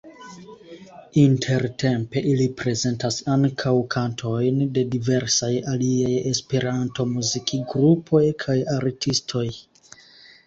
Intertempe ili prezentas ankaŭ kantojn de diversaj aliaj Esperanto-muzikgrupoj kaj -artistoj.